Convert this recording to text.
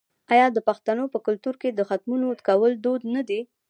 آیا د پښتنو په کلتور کې د ختمونو کول دود نه دی؟